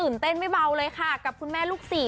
เต้นไม่เบาเลยค่ะกับคุณแม่ลูกสี่